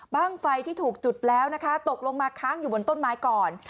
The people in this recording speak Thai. ไฟที่ถูกจุดแล้วนะคะตกลงมาค้างอยู่บนต้นไม้ก่อน